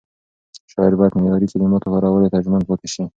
شاعر باید معیاري کلماتو کارولو ته ژمن پاتې شي.